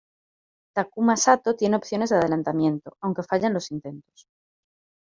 Takuma Satō tiene opciones de adelantamiento, aunque falla en los intentos.